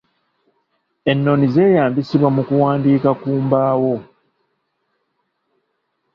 Ennoni zeeyambisibwa mu kuwandiika ku mbaawo